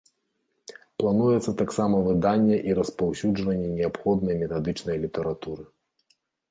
Плануецца таксама выданне і распаўсюджванне неабходнай метадычнай літаратуры.